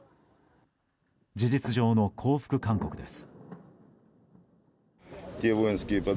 事実上の降伏勧告です。